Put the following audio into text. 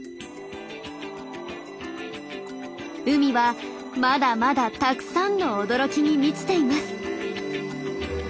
海はまだまだたくさんの驚きに満ちています。